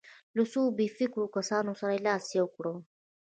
له څو بې فکرو کسانو سره یې لاس یو کړ.